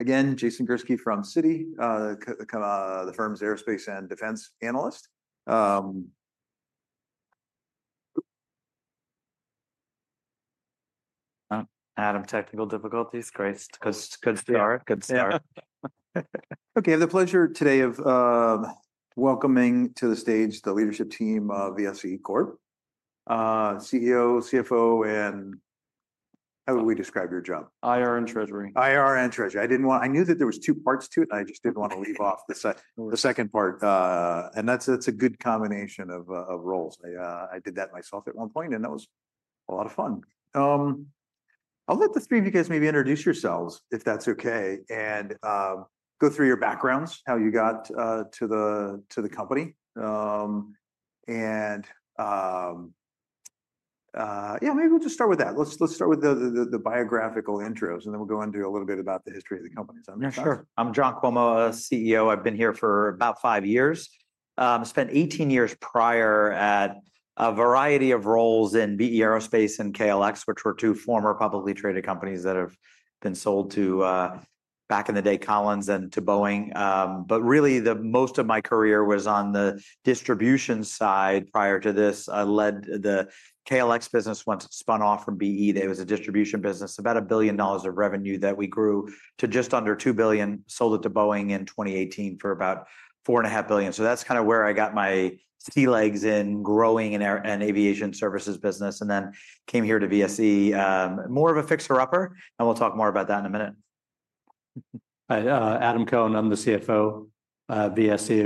Again, Jason Gursky from Citi, the firm's aerospace and defense analyst. Adam, technical difficulties. Great. Good start. Good start. Okay. I have the pleasure today of welcoming to the stage the leadership team of VSE Corp, CEO, CFO, and how would we describe your job? IR and Treasury. IR and Treasury. I didn't want, I knew that there were two parts to it, and I just didn't want to leave off the second part. And that's a good combination of roles. I did that myself at one point, and that was a lot of fun. I'll let the three of you guys maybe introduce yourselves, if that's okay, and go through your backgrounds, how you got to the company. And yeah, maybe we'll just start with that. Let's start with the biographical intros, and then we'll go into a little bit about the history of the company. Sure. I'm John Cuomo, CEO. I've been here for about five years. I spent 18 years prior at a variety of roles in B/E Aerospace and KLX, which were two former publicly traded companies that have been sold to, back in the day, Collins and to Boeing. But really, most of my career was on the distribution side. Prior to this, I led the KLX business once it spun off from B/E. It was a distribution business, about $1 billion of revenue that we grew to just under $2 billion, sold it to Boeing in 2018 for about $4.5 billion. So that's kind of where I got my sea legs in growing an aviation services business, and then came here to VSE, more of a fixer-upper. And we'll talk more about that in a minute. Adam Cohn, I'm the CFO of VSE.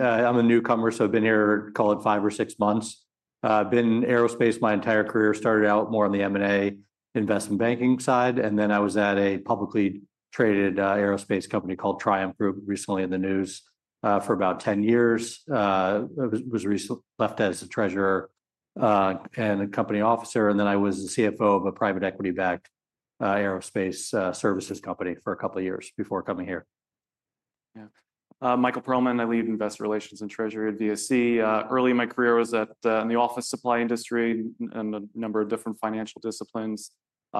I'm a newcomer, so I've been here, call it, five or six months. I've been in aerospace my entire career, started out more on the M&A investment banking side, and then I was at a publicly traded aerospace company called Triumph Group, recently in the news for about 10 years. I recently left as a Treasurer and a company officer, and then I was the CFO of a private equity-backed aerospace services company for a couple of years before coming here. Yeah. Michael Perlman, I lead Investor Relations and Treasury at VSE. Early in my career, I was in the office supply industry and a number of different financial disciplines,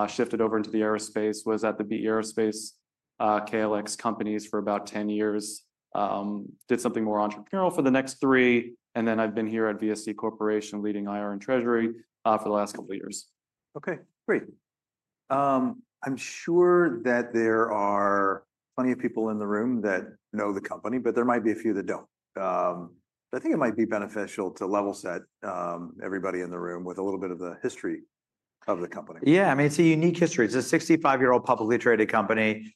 shifted over into the aerospace. I was at the B/E Aerospace, KLX companies for about 10 years. Did something more entrepreneurial for the next three, and then I've been here at VSE Corporation, leading IR and Treasury for the last couple of years. Okay. Great. I'm sure that there are plenty of people in the room that know the company, but there might be a few that don't. But I think it might be beneficial to level set everybody in the room with a little bit of the history of the company. Yeah. I mean, it's a unique history. It's a 65-year-old publicly traded company,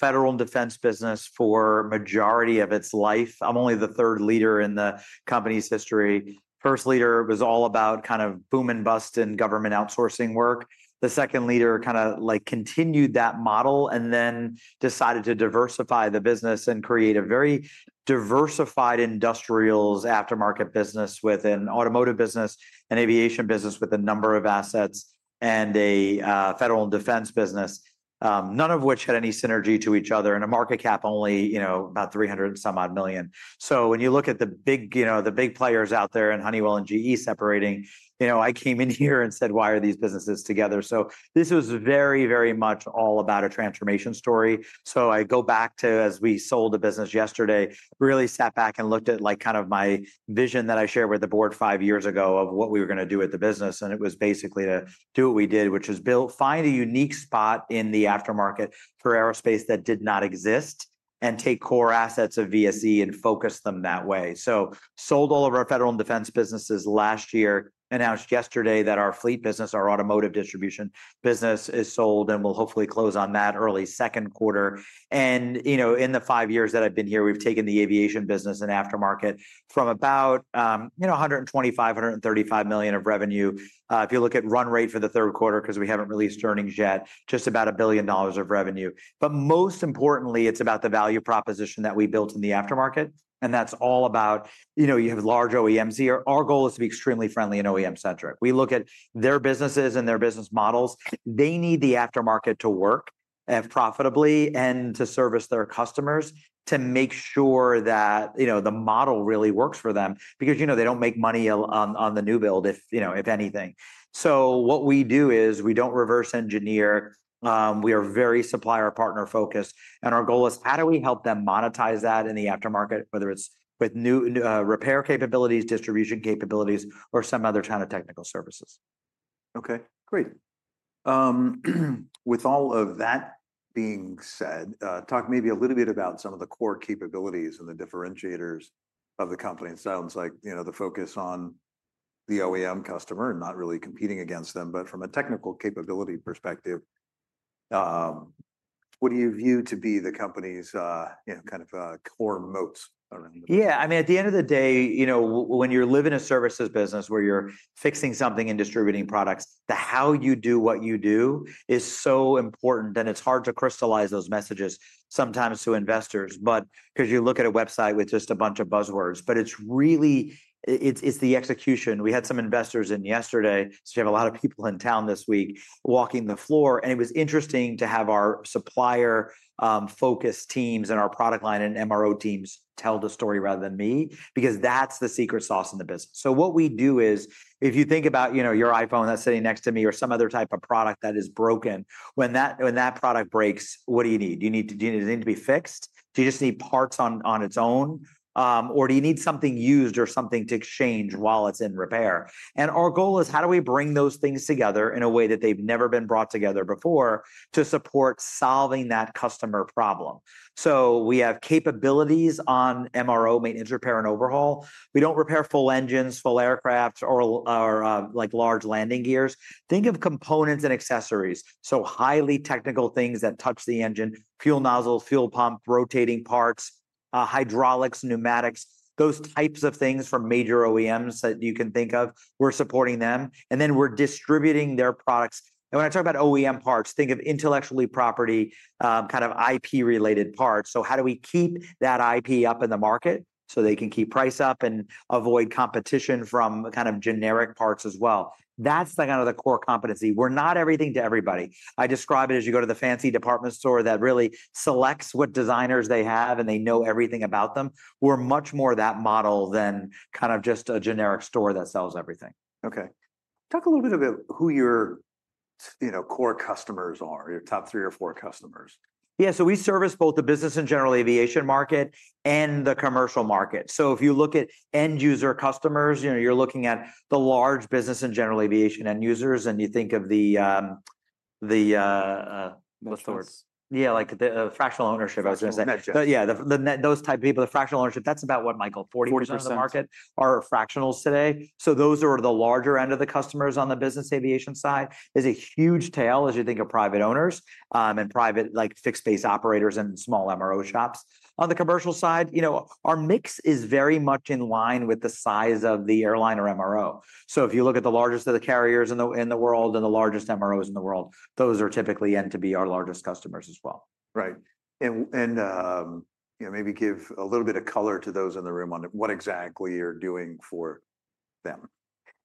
Federal and Defense business for the majority of its life. I'm only the third leader in the company's history. First leader was all about kind of boom and bust in government outsourcing work. The second leader kind of continued that model and then decided to diversify the business and create a very diversified industrials aftermarket business with an Automotive business and Aviation business with a number of assets and a Federal and Defense business, none of which had any synergy to each other, and a market cap only about $300 million. So when you look at the big players out there and Honeywell and GE separating, I came in here and said, "Why are these businesses together?" So this was very, very much all about a transformation story. So, I go back to, as we sold the business yesterday, really sat back and looked at kind of my vision that I shared with the board five years ago of what we were going to do with the business. And it was basically to do what we did, which was find a unique spot in the aftermarket for aerospace that did not exist and take core assets of VSE and focus them that way. So sold all of our Federal and Defense businesses last year, announced yesterday that our Fleet business, our automotive distribution business, is sold and will hopefully close on that early second quarter. And in the five years that I've been here, we've taken the Aviation business and aftermarket from about $125 million-$135 million of revenue. If you look at run rate for the third quarter, because we haven't released earnings yet, just about $1 billion of revenue. But most importantly, it's about the value proposition that we built in the aftermarket. That's all about you have large OEMs. Our goal is to be extremely friendly and OEM-centric. We look at their businesses and their business models. They need the aftermarket to work profitably and to service their customers to make sure that the model really works for them because they don't make money on the new build, if anything. So what we do is we don't reverse engineer. We are very supplier partner focused. Our goal is, how do we help them monetize that in the aftermarket, whether it's with new repair capabilities, distribution capabilities, or some other kind of technical services? Okay. Great. With all of that being said, talk maybe a little bit about some of the core capabilities and the differentiators of the company. It sounds like the focus on the OEM customer and not really competing against them, but from a technical capability perspective, what do you view to be the company's kind of core moats? Yeah. I mean, at the end of the day, when you're living a services business where you're fixing something and distributing products, the how you do what you do is so important that it's hard to crystallize those messages sometimes to investors. Because you look at a website with just a bunch of buzzwords, but it's really the execution. We had some investors in yesterday, so we have a lot of people in town this week walking the floor, and it was interesting to have our supplier-focused teams and our product line and MRO teams tell the story rather than me because that's the secret sauce in the business, so what we do is, if you think about your iPhone that's sitting next to me or some other type of product that is broken, when that product breaks, what do you need? Do you need it to be fixed? Do you just need parts on its own? Or do you need something used or something to exchange while it's in repair? Our goal is, how do we bring those things together in a way that they've never been brought together before to support solving that customer problem? We have capabilities on MRO, maintenance, repair, and overhaul. We don't repair full engines, full aircraft, or large landing gears. Think of components and accessories, so highly technical things that touch the engine, fuel nozzles, fuel pump, rotating parts, hydraulics, pneumatics, those types of things from major OEMs that you can think of. We're supporting them. We're distributing their products. When I talk about OEM parts, think of intellectual property, kind of IP-related parts. So how do we keep that IP up in the market so they can keep price up and avoid competition from kind of generic parts as well? That's kind of the core competency. We're not everything to everybody. I describe it as you go to the fancy department store that really selects what designers they have and they know everything about them. We're much more that model than kind of just a generic store that sells everything. Okay. Talk a little bit about who your core customers are, your top three or four customers? Yeah. So we service both the business and general aviation market and the commercial market. So if you look at end user customers, you're looking at the large business and general aviation end users, and you think of the. What's the word? Yeah, like the fractional ownership, I was going to say. But yeah, those type of people, the fractional ownership, that's about what, Michael, 40% of the market are fractionals today. So those are the larger end of the customers on the business aviation side. There's a huge tail as you think of private owners and private fixed-base operators and small MRO shops. On the commercial side, our mix is very much in line with the size of the airline or MRO. So if you look at the largest of the carriers in the world and the largest MROs in the world, those typically tend to be our largest customers as well. Right. And maybe give a little bit of color to those in the room on what exactly you're doing for them.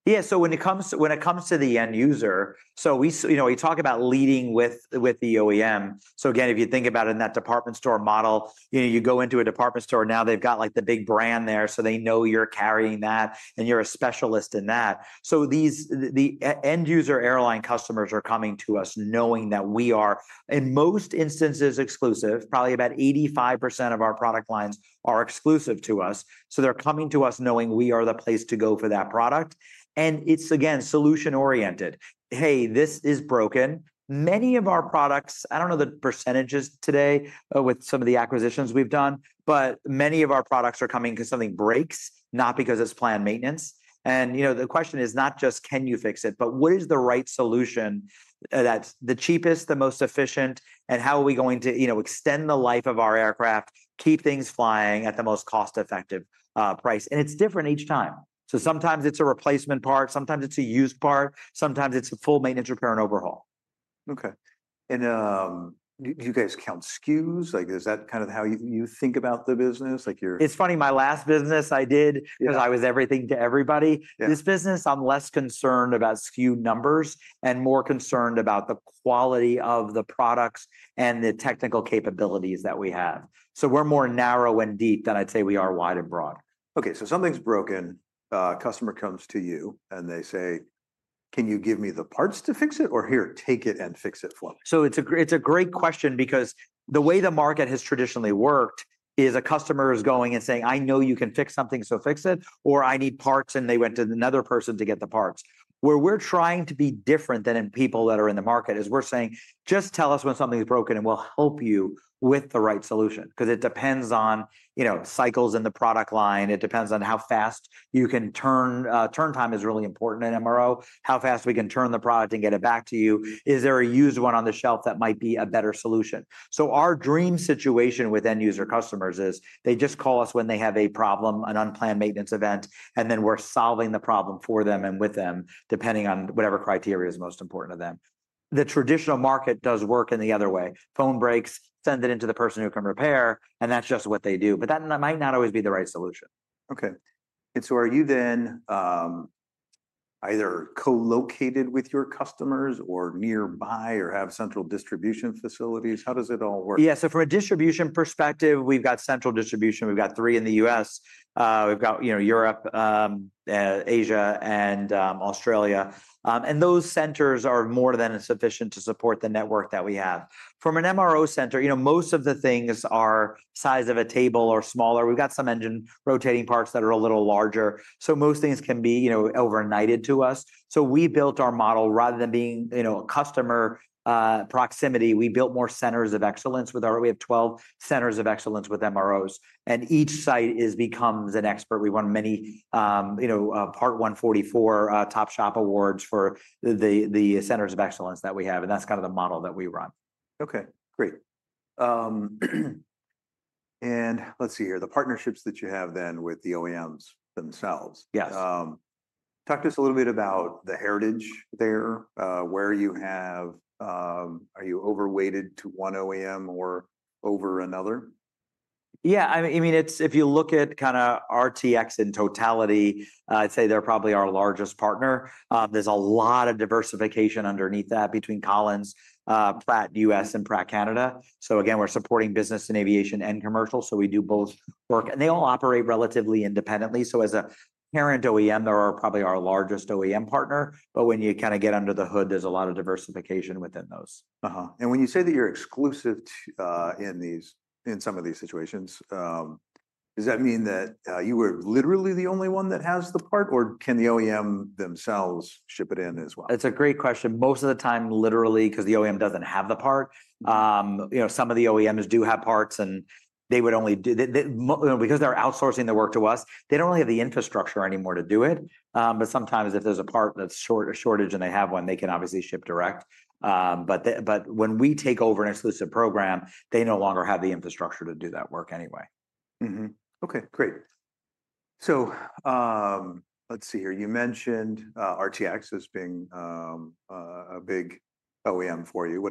Yeah. So when it comes to the end user, so we talk about leading with the OEM. So again, if you think about it in that department store model, you go into a department store, now they've got the big brand there, so they know you're carrying that and you're a specialist in that. So the end user airline customers are coming to us knowing that we are, in most instances, exclusive. Probably about 85% of our product lines are exclusive to us. So they're coming to us knowing we are the place to go for that product. And it's, again, solution-oriented. Hey, this is broken. Many of our products, I don't know the percentages today with some of the acquisitions we've done, but many of our products are coming because something breaks, not because it's planned maintenance. And the question is not just, can you fix it, but what is the right solution that's the cheapest, the most efficient, and how are we going to extend the life of our aircraft, keep things flying at the most cost-effective price? And it's different each time. So sometimes it's a replacement part, sometimes it's a used part, sometimes it's a full maintenance, repair, and overhaul. Okay. And do you guys count SKUs? Is that kind of how you think about the business? It's funny, my last business I did because I was everything to everybody. This business, I'm less concerned about SKU numbers and more concerned about the quality of the products and the technical capabilities that we have. So we're more narrow and deep than I'd say we are wide and broad. Okay. So something's broken, a customer comes to you, and they say, "Can you give me the parts to fix it?" or, "Here, take it and fix it for me." It's a great question because the way the market has traditionally worked is a customer is going and saying, "I know you can fix something, so fix it," or, "I need parts," and they went to another person to get the parts. Where we're trying to be different than in people that are in the market is we're saying, "Just tell us when something's broken, and we'll help you with the right solution." Because it depends on cycles in the product line. It depends on how fast you can turn. Turn time is really important in MRO. How fast we can turn the product and get it back to you. Is there a used one on the shelf that might be a better solution? Our dream situation with end user customers is they just call us when they have a problem, an unplanned maintenance event, and then we're solving the problem for them and with them, depending on whatever criteria is most important to them. The traditional market does work in the other way. Phone breaks, send it into the person who can repair, and that's just what they do. But that might not always be the right solution. Okay. And so are you then either co-located with your customers or nearby or have central distribution facilities? How does it all work? Yeah, so from a distribution perspective, we've got central distribution. We've got three in the U.S. We've got Europe, Asia, and Australia. And those centers are more than sufficient to support the network that we have. From an MRO center, most of the things are size of a table or smaller. We've got some engine rotating parts that are a little larger. So most things can be overnighted to us. So we built our model rather than being a customer proximity. We built more centers of excellence. We have 12 centers of excellence with MROs. And each site becomes an expert. We won many Part 145 Top Shop Awards for the centers of excellence that we have. And that's kind of the model that we run. Okay. Great. And let's see here. The partnerships that you have then with the OEMs themselves. Yes. Talk to us a little bit about the heritage there, where you have, are you overweighted to one OEM or over another? Yeah. I mean, if you look at kind of RTX in totality, I'd say they're probably our largest partner. There's a lot of diversification underneath that between Collins, Pratt U.S., and Pratt Canada. So again, we're supporting business and aviation and commercial, so we do both work, and they all operate relatively independently. So as a parent OEM, they are probably our largest OEM partner. But when you kind of get under the hood, there's a lot of diversification within those. When you say that you're exclusive in some of these situations, does that mean that you are literally the only one that has the part, or can the OEM themselves ship it in as well? That's a great question. Most of the time, literally, because the OEM doesn't have the part. Some of the OEMs do have parts, and they would only, because they're outsourcing the work to us, they don't really have the infrastructure anymore to do it. But sometimes, if there's a part that's a shortage and they have one, they can obviously ship direct. But when we take over an exclusive program, they no longer have the infrastructure to do that work anyway. Okay. Great. So let's see here. You mentioned RTX as being a big OEM for you.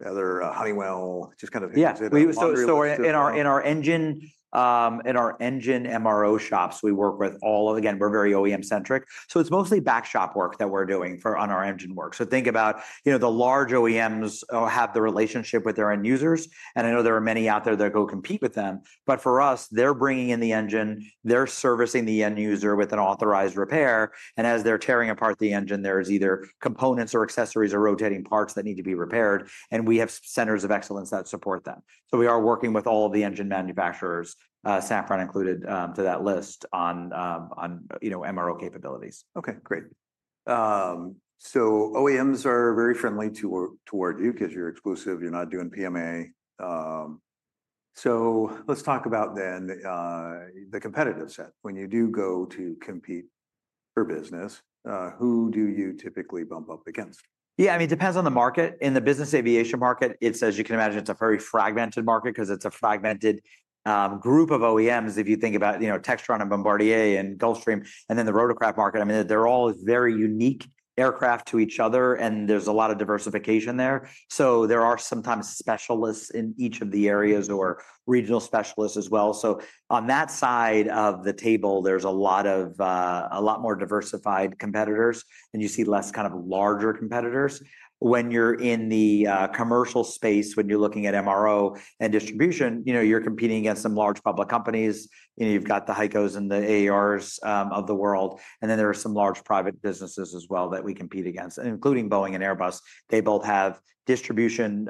What about GE, Rolls, Honeywell, just kind of exhibit? Yeah. So in our engine MRO shops, we work with all, again, we're very OEM-centric. So it's mostly back shop work that we're doing on our engine work. So think about the large OEMs have the relationship with their end users. And I know there are many out there that go compete with them. But for us, they're bringing in the engine. They're servicing the end user with an authorized repair. And as they're tearing apart the engine, there's either components or accessories or rotating parts that need to be repaired. And we have centers of excellence that support that. So we are working with all of the engine manufacturers, Safran included to that list on MRO capabilities. Okay. Great. So OEMs are very friendly toward you because you're exclusive. You're not doing PMA. So let's talk about then the competitive set. When you do go to compete for business, who do you typically bump up against? Yeah. I mean, it depends on the market. In the business aviation market, as you can imagine, it's a very fragmented market because it's a fragmented group of OEMs if you think about Textron and Bombardier and Gulfstream. And then the rotorcraft market, I mean, they're all very unique aircraft to each other, and there's a lot of diversification there. So there are sometimes specialists in each of the areas or regional specialists as well. So on that side of the table, there's a lot more diversified competitors, and you see less kind of larger competitors. When you're in the commercial space, when you're looking at MRO and distribution, you're competing against some large public companies. You've got the HEICOs and the AARs of the world. And then there are some large private businesses as well that we compete against, including Boeing and Airbus. They both have distribution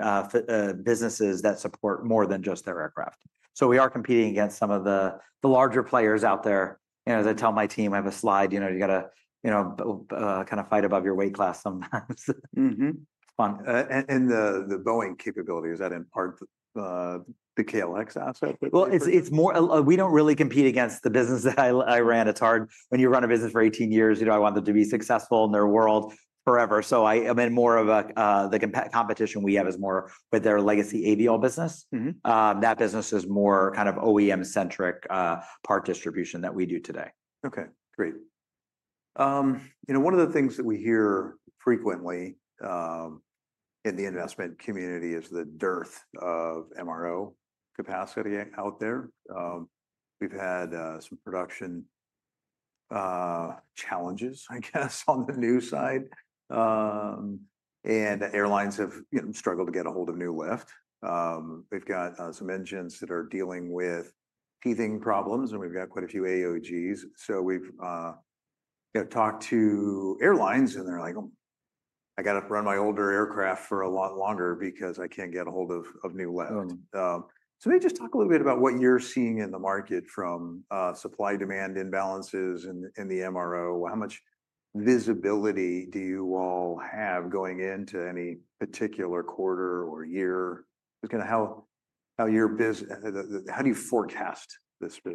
businesses that support more than just their aircraft. So we are competing against some of the larger players out there. As I tell my team, I have a slide. You got to kind of fight above your weight class sometimes. The Boeing capability, is that in part the KLX asset? We don't really compete against the business that I ran. It's hard. When you run a business for 18 years, I want them to be successful in their world forever. I mean, more of the competition we have is more with their legacy Aviall business. That business is more kind of OEM-centric part distribution that we do today. Okay. Great. One of the things that we hear frequently in the investment community is the dearth of MRO capacity out there. We've had some production challenges, I guess, on the new side, and airlines have struggled to get a hold of new lift. We've got some engines that are dealing with teething problems, and we've got quite a few AOGs, so we've talked to airlines, and they're like, "I got to run my older aircraft for a lot longer because I can't get a hold of new lift," so maybe just talk a little bit about what you're seeing in the market from supply-demand imbalances in the MRO. How much visibility do you all have going into any particular quarter or year? Just kind of how do you forecast this business?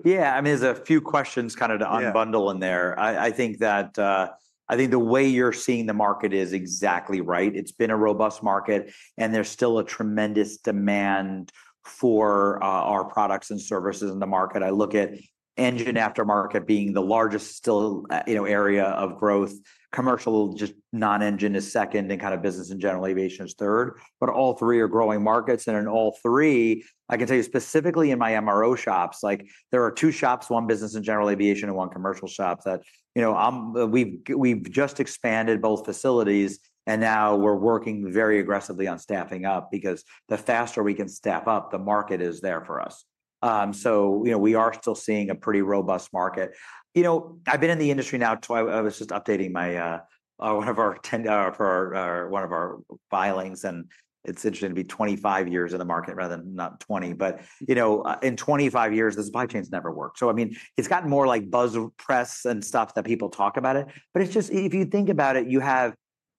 Yeah. I mean, there's a few questions kind of to unbundle in there. I think the way you're seeing the market is exactly right. It's been a robust market, and there's still a tremendous demand for our products and services in the market. I look at engine aftermarket being the largest area of growth. Commercial, just non-engine is second, and kind of business and general aviation is third. But all three are growing markets. And in all three, I can tell you specifically in my MRO shops, there are two shops, one business and general aviation and one commercial shop, that we've just expanded both facilities, and now we're working very aggressively on staffing up because the faster we can staff up, the market is there for us. So we are still seeing a pretty robust market. I've been in the industry now. I was just updating one of our filings, and it's interesting to be 25 years in the market rather than not 20. But in 25 years, the supply chain's never worked. So I mean, it's gotten more like buzz press and stuff that people talk about it. But it's just, if you think about it, you have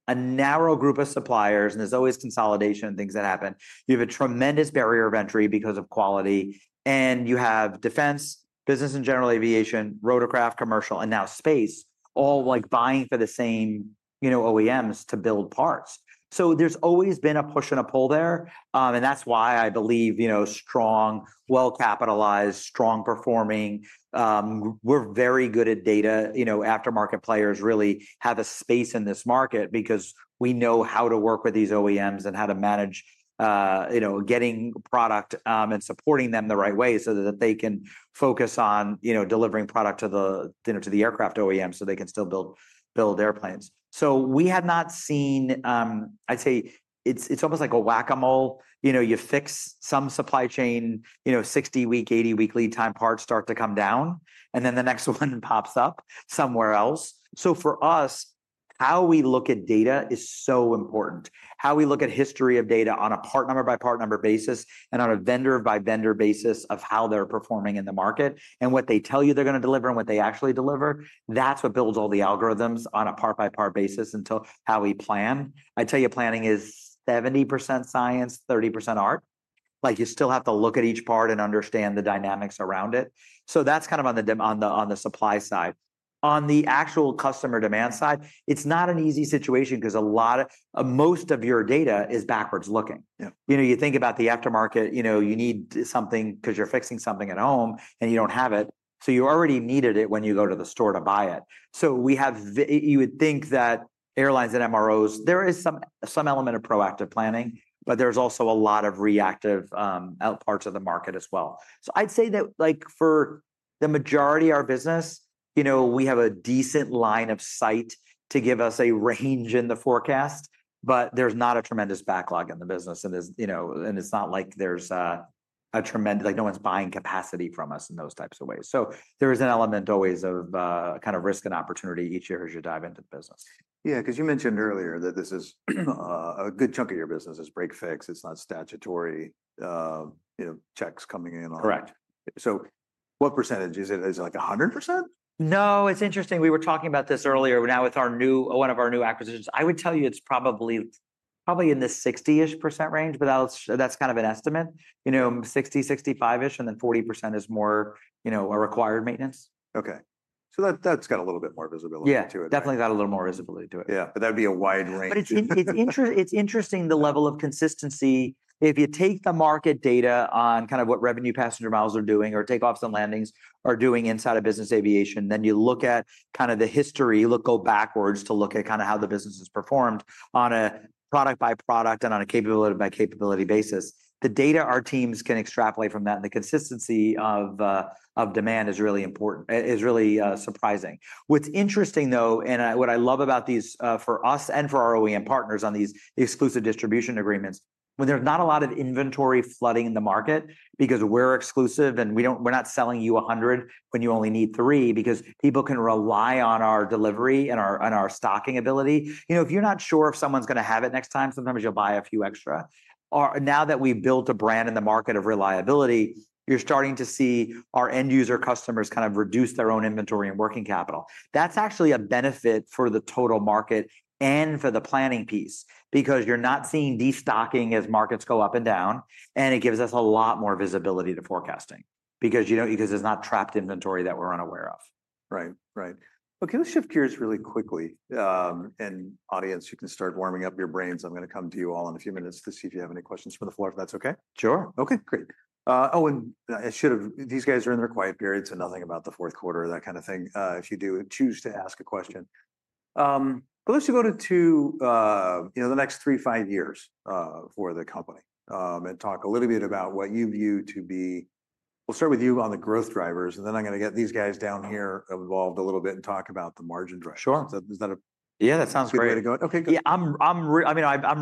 a narrow group of suppliers, and there's always consolidation and things that happen. You have a tremendous barrier of entry because of quality. And you have defense, business and general aviation, rotorcraft, commercial, and now space, all buying for the same OEMs to build parts. So there's always been a push and a pull there. That's why I believe strong, well-capitalized, strong-performing (we're very good at data) aftermarket players really have a space in this market because we know how to work with these OEMs and how to manage getting product and supporting them the right way so that they can focus on delivering product to the aircraft OEM so they can still build airplanes. We have not seen. I'd say it's almost like a Whack-A-Mole. You fix some supply chain, 60-week, 80-week lead time parts start to come down, and then the next one pops up somewhere else. For us, how we look at data is so important. How we look at history of data on a part number by part number basis and on a vendor by vendor basis of how they're performing in the market and what they tell you they're going to deliver and what they actually deliver, that's what builds all the algorithms on a part by part basis until how we plan. I tell you, planning is 70% science, 30% art. You still have to look at each part and understand the dynamics around it. So that's kind of on the supply side. On the actual customer demand side, it's not an easy situation because most of your data is backwards looking. You think about the aftermarket. You need something because you're fixing something at home, and you don't have it. So you already needed it when you go to the store to buy it. So you would think that airlines and MROs, there is some element of proactive planning, but there's also a lot of reactive parts of the market as well. So I'd say that for the majority of our business, we have a decent line of sight to give us a range in the forecast, but there's not a tremendous backlog in the business. And it's not like there's a tremendous, no one's buying capacity from us in those types of ways. So there is an element always of kind of risk and opportunity each year as you dive into the business. Yeah. Because you mentioned earlier that this is a good chunk of your business is break fix. It's not statutory checks coming in on. Correct. So what percentage is it? Is it like 100%? No. It's interesting. We were talking about this earlier. Now, with one of our new acquisitions, I would tell you it's probably in the 60-ish percent range, but that's kind of an estimate. 60, 65-ish, and then 40% is more required maintenance. Okay, so that's got a little bit more visibility to it. Yeah. Definitely got a little more visibility to it. Yeah. But that'd be a wide range. But it's interesting, the level of consistency. If you take the market data on kind of what revenue passenger miles are doing or takeoffs and landings are doing inside of business aviation, then you look at kind of the history, go backwards to look at kind of how the business has performed on a product by product and on a capability by capability basis. The data our teams can extrapolate from that, and the consistency of demand is really surprising. What's interesting, though, and what I love about these for us and for our OEM partners on these exclusive distribution agreements, when there's not a lot of inventory flooding in the market because we're exclusive and we're not selling you 100 when you only need three because people can rely on our delivery and our stocking ability. If you're not sure if someone's going to have it next time, sometimes you'll buy a few extra. Now that we've built a brand in the market of reliability, you're starting to see our end user customers kind of reduce their own inventory and working capital. That's actually a benefit for the total market and for the planning piece because you're not seeing destocking as markets go up and down, and it gives us a lot more visibility to forecasting because there's not trapped inventory that we're unaware of. Right. Right. Okay. Let's shift gears really quickly and audience, you can start warming up your brains. I'm going to come to you all in a few minutes to see if you have any questions from the floor, if that's okay. Sure. Okay. Great. Oh, and I should have. These guys are in their quiet period, so nothing about the fourth quarter or that kind of thing if you do choose to ask a question. But let's just go to the next three, five years for the company and talk a little bit about what you view to be. We'll start with you on the growth drivers, and then I'm going to get these guys down here involved a little bit and talk about the margin drivers. Sure. Is that a? Yeah. That sounds great. Okay. Good. Yeah. I mean, I'm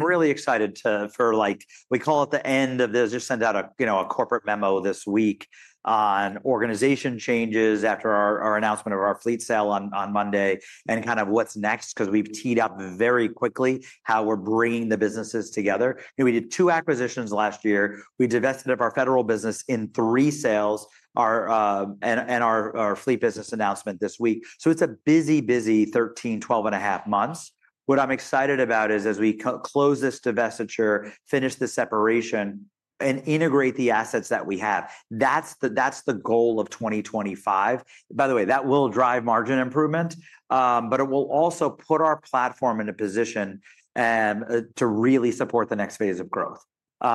really excited for, we call it the end of, they just sent out a corporate memo this week on organization changes after our announcement of our Fleet sale on Monday and kind of what's next because we've teed up very quickly how we're bringing the businesses together. We did two acquisitions last year. We divested of our Federal business in three sales and our Fleet business announcement this week. So it's a busy, busy 13, 12 and a half months. What I'm excited about is, as we close this divestiture, finish the separation, and integrate the assets that we have, that's the goal of 2025. By the way, that will drive margin improvement, but it will also put our platform in a position to really support the next phase of growth.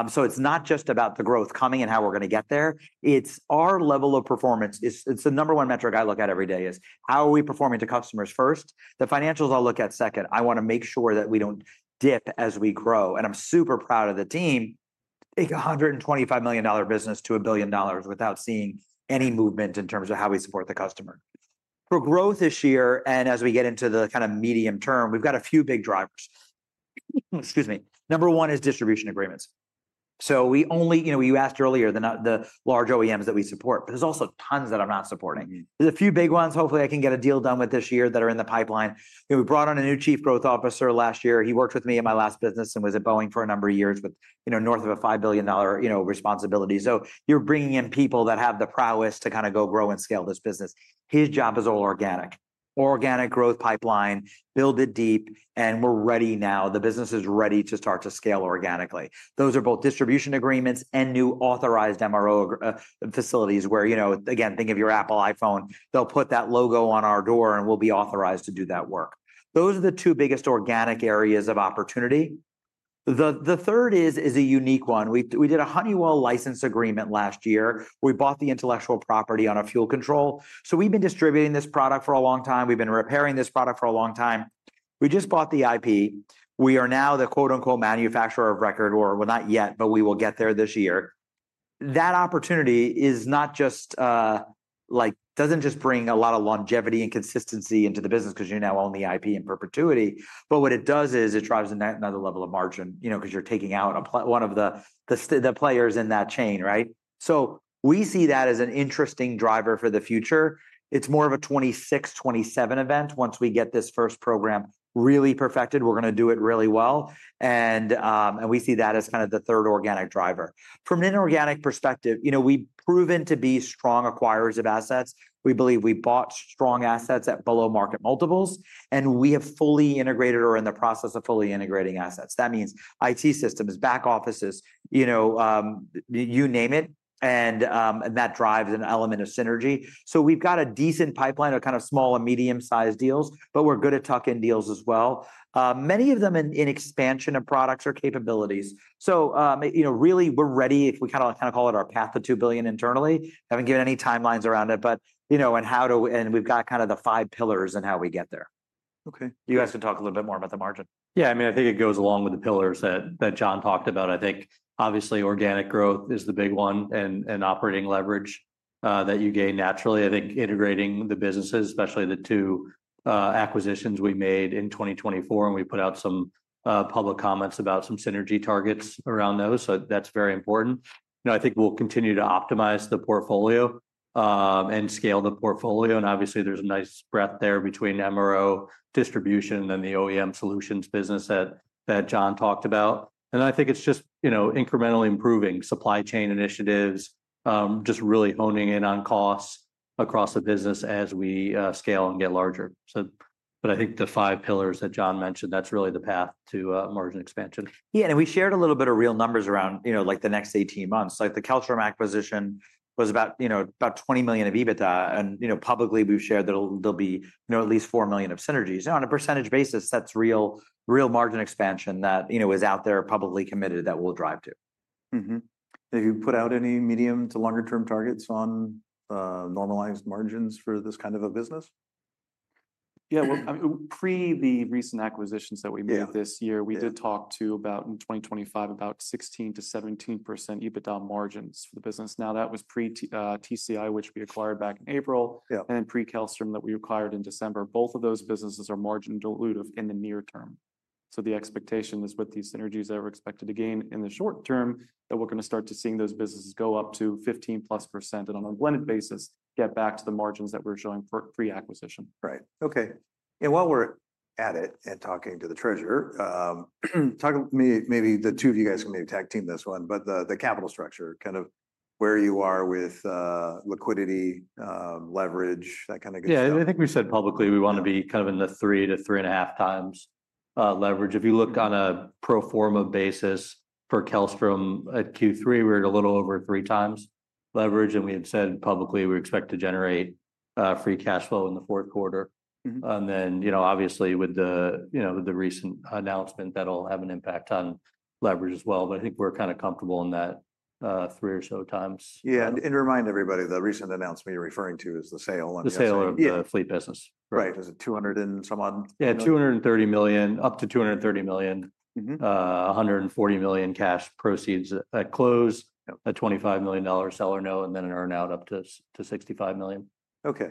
So it's not just about the growth coming and how we're going to get there. It's our level of performance. It's the number one metric I look at every day: how are we performing to customers first? The financials I'll look at second. I want to make sure that we don't dip as we grow, and I'm super proud of the team. Take a $125 million business to $1 billion without seeing any movement in terms of how we support the customer. For growth this year and as we get into the kind of medium term, we've got a few big drivers. Excuse me. Number one is distribution agreements. So you asked earlier the large OEMs that we support, but there's also tons that I'm not supporting. There's a few big ones. Hopefully, I can get a deal done with this year that are in the pipeline. We brought on a new Chief Growth Officer last year. He worked with me at my last business and was at Boeing for a number of years with north of a $5 billion responsibility. So you're bringing in people that have the prowess to kind of go grow and scale this business. His job is all organic. Organic growth pipeline, build it deep, and we're ready now. The business is ready to start to scale organically. Those are both distribution agreements and new authorized MRO facilities where, again, think of your Apple iPhone. They'll put that logo on our door, and we'll be authorized to do that work. Those are the two biggest organic areas of opportunity. The third is a unique one. We did a Honeywell license agreement last year. We bought the intellectual property on a fuel control. So we've been distributing this product for a long time. We've been repairing this product for a long time. We just bought the IP. We are now the "manufacturer of record," or we're not yet, but we will get there this year. That opportunity doesn't just bring a lot of longevity and consistency into the business because you now own the IP in perpetuity. But what it does is it drives another level of margin because you're taking out one of the players in that chain, right? So we see that as an interesting driver for the future. It's more of a 2026, 2027 event. Once we get this first program really perfected, we're going to do it really well. And we see that as kind of the third organic driver. From an inorganic perspective, we've proven to be strong acquirers of assets. We believe we bought strong assets at below market multiples, and we have fully integrated or are in the process of fully integrating assets. That means IT systems, back offices, you name it, and that drives an element of synergy. So we've got a decent pipeline of kind of small and medium-sized deals, but we're good at tuck-in deals as well. Many of them in expansion of products or capabilities. So really, we're ready, if we kind of call it our path of $2 billion internally. I haven't given any timelines around it, but we've got kind of the five pillars and how we get there. Okay. You guys can talk a little bit more about the margin. Yeah. I mean, I think it goes along with the pillars that John talked about. I think, obviously, organic growth is the big one and operating leverage that you gain naturally. I think integrating the businesses, especially the two acquisitions we made in 2024, and we put out some public comments about some synergy targets around those. So that's very important. I think we'll continue to optimize the portfolio and scale the portfolio. And obviously, there's a nice breadth there between MRO distribution and then the OEM solutions business that John talked about. And I think it's just incrementally improving supply chain initiatives, just really honing in on costs across the business as we scale and get larger. But I think the five pillars that John mentioned, that's really the path to margin expansion. Yeah, and we shared a little bit of real numbers around the next 18 months. The Kellstrom acquisition was about $20 million of EBITDA, and publicly, we've shared that there'll be at least $4 million of synergies. On a percentage basis, that's real margin expansion that is out there publicly committed that we'll drive to. Have you put out any medium to longer-term targets on normalized margins for this kind of a business? Yeah. Pre the recent acquisitions that we made this year, we did talk about in 2025 about 16%-17% EBITDA margins for the business. Now, that was pre-TCI, which we acquired back in April, and then pre-Kellstrom that we acquired in December. Both of those businesses are margin-dilutive in the near term. So the expectation is with these synergies that we're expected to gain in the short term that we're going to start to see those businesses go up to 15%+ and, on a blended basis, get back to the margins that we're showing pre-acquisition. Right. Okay. And while we're at it and talking to the Treasurer, talk to me. Maybe the two of you guys can maybe tag team this one, but the capital structure, kind of where you are with liquidity, leverage, that kind of good stuff. Yeah. I think we've said publicly we want to be kind of in the 3x-3.5x leverage. If you look on a pro forma basis for Kellstrom at Q3, we're at a little over 3x leverage. And we had said publicly we expect to generate free cash flow in the fourth quarter. And then, obviously, with the recent announcement, that'll have an impact on leverage as well. But I think we're kind of comfortable in that three or so times. Yeah, and remind everybody, the recent announcement you're referring to is the sale. The sale of the Fleet business. Right. Is it 200 and some odd? Yeah. $230 million, up to $230 million, $140 million cash proceeds at close, a $25 million seller note, and then an earnout up to $65 million. Okay.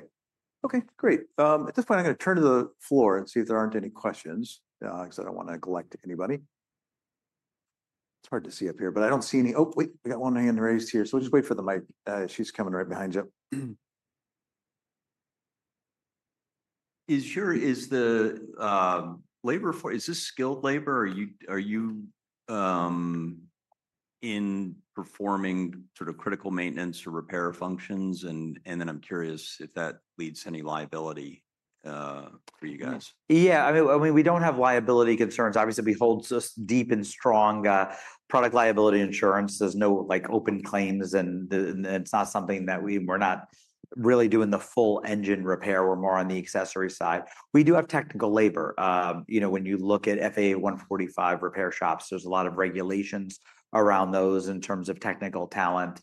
Okay. Great. At this point, I'm going to turn to the floor and see if there aren't any questions because I don't want to neglect anybody. It's hard to see up here, but I don't see any. Oh, wait. We got one hand raised here. So we'll just wait for the mic. She's coming right behind you. Is this skilled labor? Are you performing sort of critical maintenance or repair functions? And then I'm curious if that leads to any liability for you guys. Yeah. I mean, we don't have liability concerns. Obviously, we hold just deep and strong product liability insurance. There's no open claims, and it's not something that we're not really doing the full engine repair. We're more on the accessory side. We do have technical labor. When you look at Part 145 repair shops, there's a lot of regulations around those in terms of technical talent.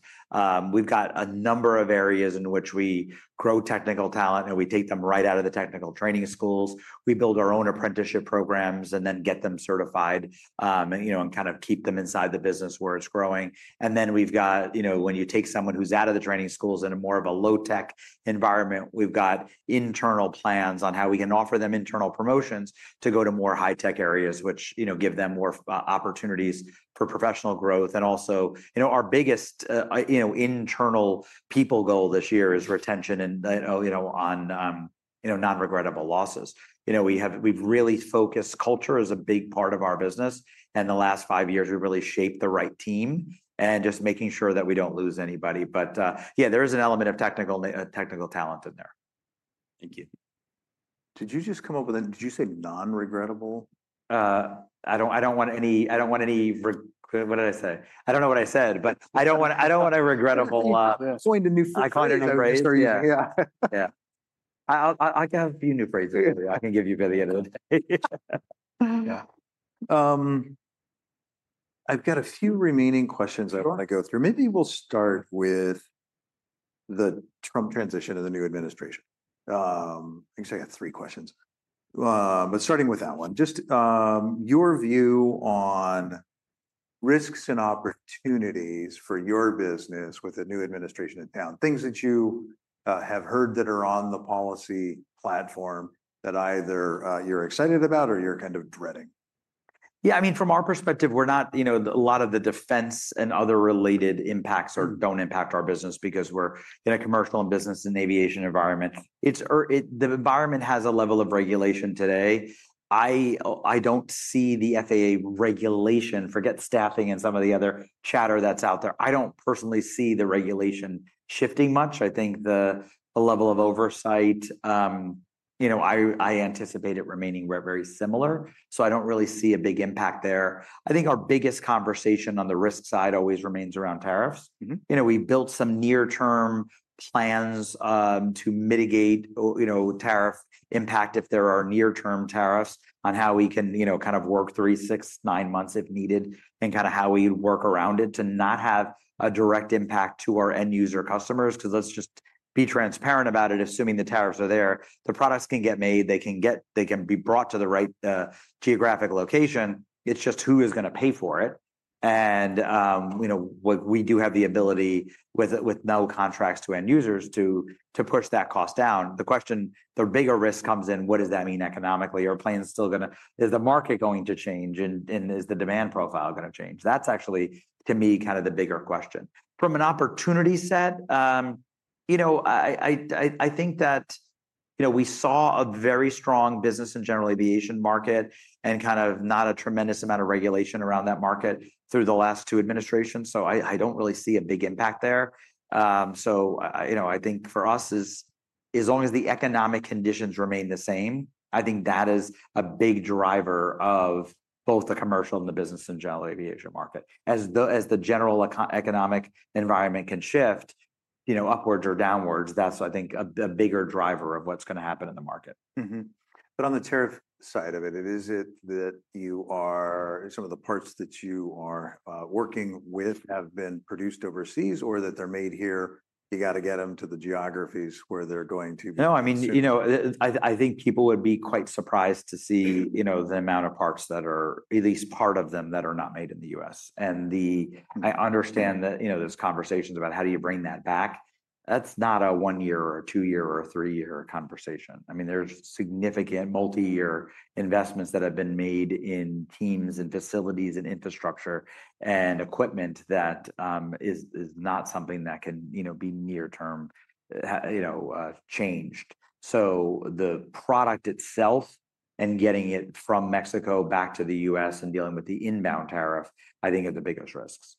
We've got a number of areas in which we grow technical talent, and we take them right out of the technical training schools. We build our own apprenticeship programs and then get them certified and kind of keep them inside the business where it's growing. And then we've got when you take someone who's out of the training schools in more of a low-tech environment, we've got internal plans on how we can offer them internal promotions to go to more high-tech areas, which give them more opportunities for professional growth. And also, our biggest internal people goal this year is retention and on non-regrettable losses. We've really focused culture as a big part of our business. And the last five years, we've really shaped the right team and just making sure that we don't lose anybody. But yeah, there is an element of technical talent in there. Thank you. Did you just come up with a, did you say non-regrettable? What did I say? I don't know what I said, but I don't want a regrettable. Point a new phrase. I can't even phrase. Yeah. Yeah. I can have a few new phrases. I can give you by the end of the day. Yeah. I've got a few remaining questions I want to go through. Maybe we'll start with the Trump transition and the new administration. I think I got three questions. But starting with that one, just your view on risks and opportunities for your business with a new administration in town, things that you have heard that are on the policy platform that either you're excited about or you're kind of dreading. Yeah. I mean, from our perspective, we're not. A lot of the defense and other related impacts don't impact our business because we're in a commercial and business and aviation environment. The environment has a level of regulation today. I don't see the FAA regulation. Forget staffing and some of the other chatter that's out there. I don't personally see the regulation shifting much. I think the level of oversight. I anticipate it remaining very similar. So I don't really see a big impact there. I think our biggest conversation on the risk side always remains around tariffs. We built some near-term plans to mitigate tariff impact if there are near-term tariffs on how we can kind of work three, six, nine months if needed and kind of how we work around it to not have a direct impact to our end user customers because let's just be transparent about it. Assuming the tariffs are there, the products can get made. They can be brought to the right geographic location. It's just who is going to pay for it, and we do have the ability with no contracts to end users to push that cost down. The bigger risk comes in, what does that mean economically? Are planes still going to, is the market going to change, and is the demand profile going to change? That's actually, to me, kind of the bigger question. From an opportunity set, I think that we saw a very strong business and general aviation market and kind of not a tremendous amount of regulation around that market through the last two administrations, so I don't really see a big impact there. So I think for us, as long as the economic conditions remain the same, I think that is a big driver of both the commercial and the business and general aviation market. As the general economic environment can shift upwards or downwards, that's, I think, a bigger driver of what's going to happen in the market. But on the tariff side of it, is it that some of the parts that you are working with have been produced overseas or that they're made here, you got to get them to the geographies where they're going to be produced? No. I mean, I think people would be quite surprised to see the amount of parts that are at least part of them that are not made in the U.S. and I understand that there's conversations about how do you bring that back. That's not a one-year or two-year or three-year conversation. I mean, there's significant multi-year investments that have been made in teams and facilities and infrastructure and equipment that is not something that can be near-term changed, so the product itself and getting it from Mexico back to the U.S. and dealing with the inbound tariff, I think, are the biggest risks,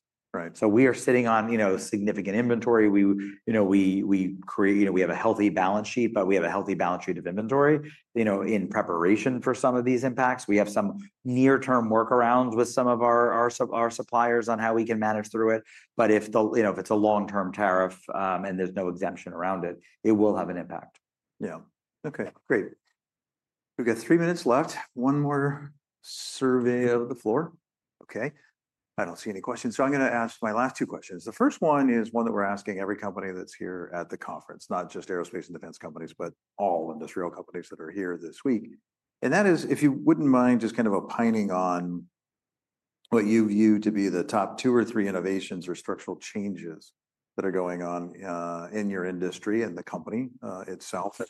so we are sitting on significant inventory. We have a healthy balance sheet, but we have a healthy balance sheet of inventory in preparation for some of these impacts. We have some near-term workarounds with some of our suppliers on how we can manage through it. But if it's a long-term tariff and there's no exemption around it, it will have an impact. Okay. Great. We've got three minutes left. One more survey out of the floor. Okay. I don't see any questions. So I'm going to ask my last two questions. The first one is one that we're asking every company that's here at the conference, not just aerospace and defense companies, but all industrial companies that are here this week. And that is, if you wouldn't mind, just kind of opining on what you view to be the top two or three innovations or structural changes that are going on in your industry and the company itself,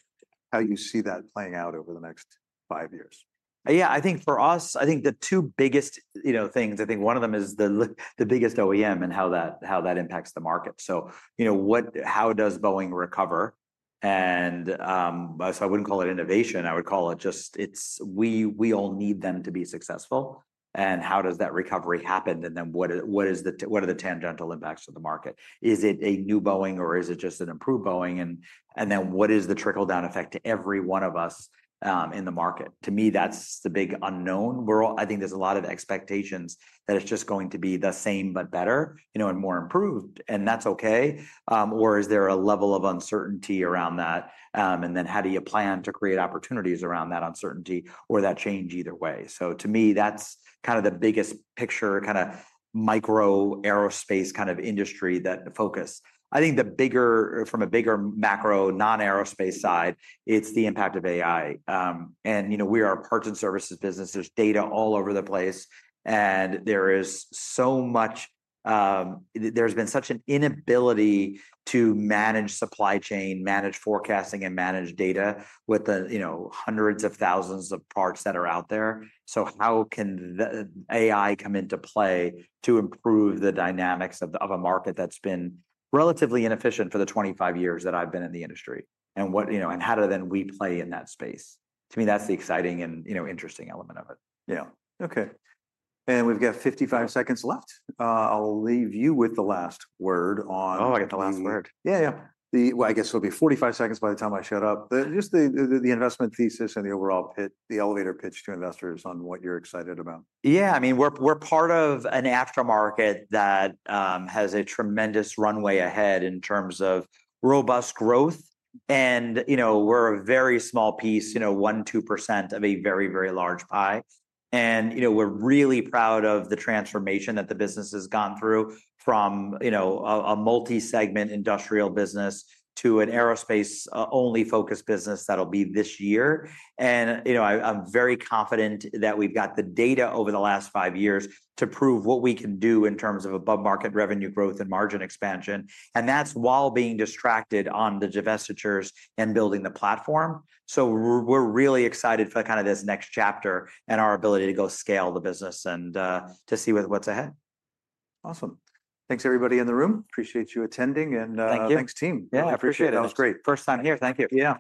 how you see that playing out over the next five years? Yeah. I think for us, I think the two biggest things. I think one of them is the biggest OEM and how that impacts the market. So how does Boeing recover? And so I wouldn't call it innovation. I would call it just we all need them to be successful. And how does that recovery happen? And then what are the tangential impacts of the market? Is it a new Boeing, or is it just an improved Boeing? And then what is the trickle-down effect to every one of us in the market? To me, that's the big unknown. I think there's a lot of expectations that it's just going to be the same, but better and more improved. And that's okay. Or is there a level of uncertainty around that? And then how do you plan to create opportunities around that uncertainty or that change either way? So to me, that's kind of the biggest picture, kind of macro aerospace kind of industry that I focus. I think from a bigger macro non-aerospace side, it's the impact of AI. And we are a parts and services business. There's data all over the place. And there is so much; there's been such an inability to manage supply chain, manage forecasting, and manage data with hundreds of thousands of parts that are out there. So how can AI come into play to improve the dynamics of a market that's been relatively inefficient for the 25 years that I've been in the industry? And how do we then play in that space? To me, that's the exciting and interesting element of it. Yeah. Okay, and we've got 55 seconds left. I'll leave you with the last word on. Oh, I got the last word. Yeah, yeah. Well, I guess it'll be 45 seconds by the time I shut up. Just the investment thesis and the overall pitch, the elevator pitch to investors on what you're excited about. Yeah. I mean, we're part of an aftermarket that has a tremendous runway ahead in terms of robust growth. And we're a very small piece, 1-2% of a very, very large pie. And we're really proud of the transformation that the business has gone through from a multi-segment industrial business to an aerospace-only focused business that'll be this year. And I'm very confident that we've got the data over the last five years to prove what we can do in terms of above-market revenue growth and margin expansion. And that's while being distracted on the divestitures and building the platform. So we're really excited for kind of this next chapter and our ability to go scale the business and to see what's ahead. Awesome. Thanks, everybody in the room. Appreciate you attending. Thank you. Thanks, team. Yeah. Appreciate it. That was great. First time here. Thank you.